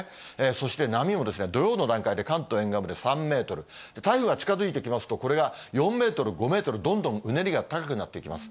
そして波も土曜の段階で関東沿岸で３メートル、台風が近づいてきますと、これが４メートル、５メートル、どんどんうねりが高くなっていきます。